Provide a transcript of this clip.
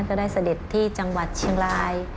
เสด็จที่จังหวัดเชียงราย